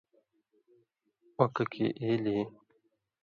”او ککی ایلیۡ ای“